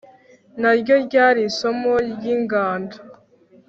naryo ryari isomo ry'ingando